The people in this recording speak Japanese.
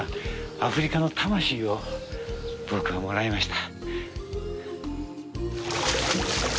アフリカの魂を僕はもらいました。